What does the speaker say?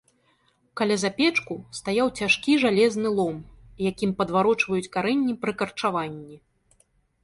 Каля запечку стаяў цяжкі жалезны лом, якім падварочваюць карэнні пры карчаванні.